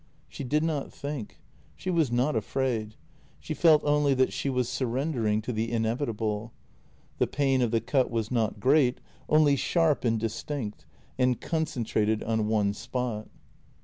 She did not think; she was not afraid; she felt only that she was surrendering to the inevitable. The pain of the cut was not great — only sharp and distinct, and concentrated on one spot.